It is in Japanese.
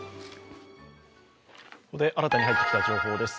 ここで新たに入ってきた情報です。